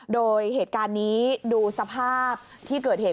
โดยเหตุการณ์นี้ดูสภาพที่เกิดเหตุ